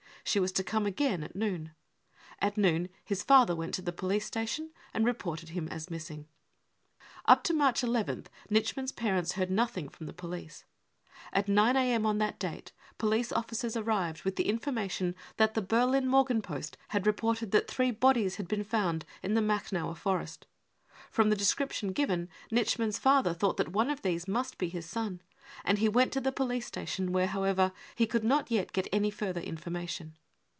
She was to come again at noon. At noon his father # went to the police station and reported him as missing. Up to March nth, Nitschmann's parents heard nothing from the police. At 9 a.m. on that date police officers arrived with the information that the Berlin Morgenpost had reported that three bodies had been found in the Machnower Forest. From the^ description given, Nitsch mann's father thought that on@ of these must be his son, and he went to the police station, where however he could not yet get any further information.